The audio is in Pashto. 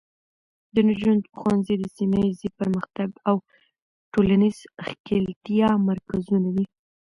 د نجونو ښوونځي د سیمه ایزې پرمختګ او ټولنیزې ښکیلتیا مرکزونه دي.